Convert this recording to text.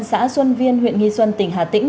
xã xuân viên huyện nghi xuân tỉnh hà tĩnh